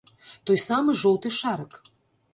Той самы жоўты шарык!